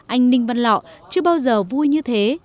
anh ninh văn lọ chưa bao giờ vui như thế